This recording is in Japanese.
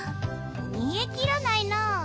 煮えきらないなぁ。